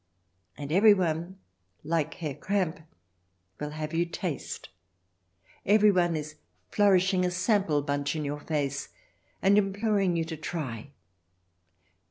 And everyone, like Herr Kramp, will have you taste ; everyone is flourishing a sample bunch in your face, and imploring you to try.